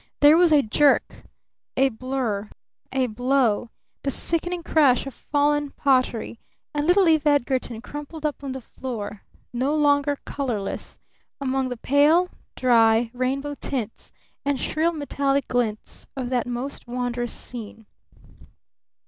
There was a jerk, a blur, a blow, the sickening crash of fallen pottery And little Eve Edgarton crumpled up on the floor, no longer "colorless" among the pale, dry, rainbow tints and shrill metallic glints of that most wondrous scene.